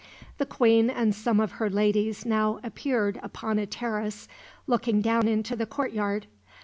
The queen and some of her ladies now appeared upon a terrace looking down into the courtyard.